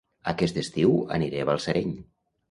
Aquest estiu aniré a Balsareny